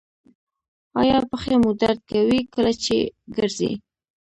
ایا پښې مو درد کوي کله چې ګرځئ؟